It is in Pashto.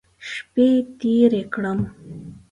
شپې تېرې کړم.